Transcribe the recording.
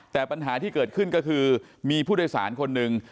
แต่ปัญหาที่เกิดขึ้นก็คือมีผู้โดยสารคนหนึ่ง